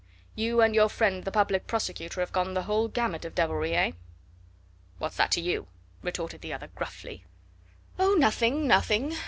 You and your friend the Public Prosecutor have gone the whole gamut of devilry eh?" "What's that to you?" retorted the other gruffly. "Oh, nothing, nothing!